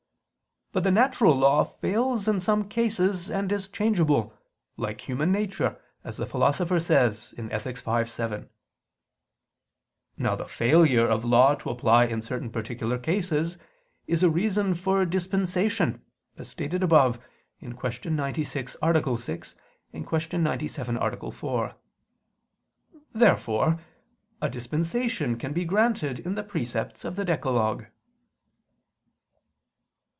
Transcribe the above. But the natural law fails in some cases and is changeable, like human nature, as the Philosopher says (Ethic. v, 7). Now the failure of law to apply in certain particular cases is a reason for dispensation, as stated above (Q. 96, A. 6; Q. 97, A. 4). Therefore a dispensation can be granted in the precepts of the decalogue.